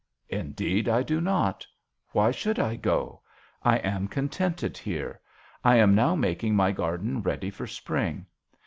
"Indeed I do not. Why should I go ? I am contented here. I am now making my garden ready for spring.